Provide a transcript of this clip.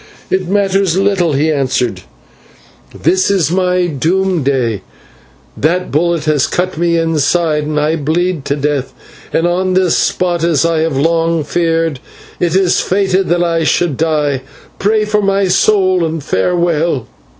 "It matters little," he answered; "this is my doom day, that bullet has cut me inside and I bleed to death, and on this spot, as I have long feared, it is fated that I should die. Pray for my soul, and farewell."